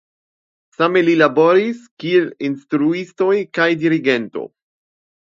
Same li laboris kiel instruisto kaj dirigento.